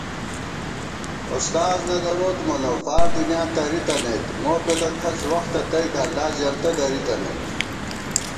اُستاذ نہ دروت مونہ فار دُنیاں تَریتَنَیت، مو پېدہ کھَڅ وختہ تَئیکاں لا زېنتہ دریتنَئیت